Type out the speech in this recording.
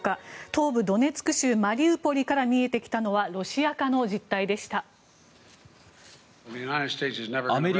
東部ドネツク州マリウポリから見えてきたのはロシア化の実態でした。